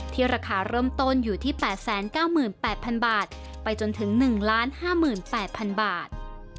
ราคาเริ่มต้นอยู่ที่๘๙๘๐๐๐บาทไปจนถึง๑๕๘๐๐๐บาท